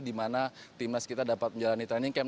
dimana tim nas kita dapat menjalani training camp